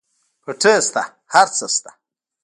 پټی شته هر څه شته.